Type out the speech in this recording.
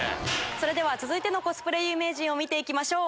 それでは続いてのコスプレ有名人見ていきましょう。